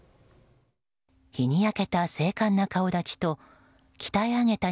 日に焼けた精悍な顔立ちと鍛え上げた